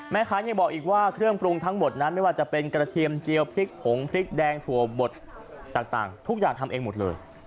แม่ค้ายังบอกอีกว่าเครื่องปรุงทั้งหมดนั้นไม่ว่าจะเป็นกระเทียมเจียวพริกผงพริกแดงถั่วบดต่างทุกอย่างทำเองหมดเลย